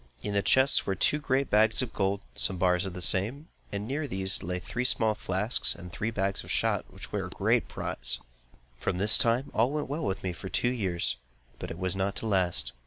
In the chests were two great bags of gold, and some bars of the same, and near these lay three small flasks and three bags of shot which were a great prize. From this time, all went well with me for two years; but it was not to last.